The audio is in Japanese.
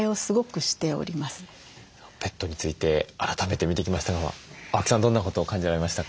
ペットについて改めて見てきましたが青木さんどんなことを感じられましたか？